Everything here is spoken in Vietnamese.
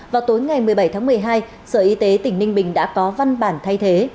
vào tối ngày một mươi bảy tháng một mươi hai sở y tế tỉnh ninh bình đã có văn bản thay thế